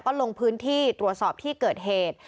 ก็ลงพื้นที่ตรวจสอบที่เกิดเหตุ